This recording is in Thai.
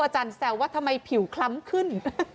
อาจารย์แซวว่าทำไมผิวคล้ำขึ้น